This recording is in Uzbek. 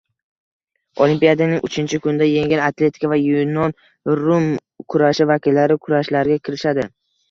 Olimpiadaning o‘ninchi kunida yengil atletika va yunon-rum kurashi vakillari kurashlarga kirishadi